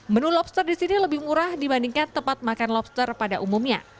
menu lobster di sini lebih murah dibandingkan tempat makan lobster pada umumnya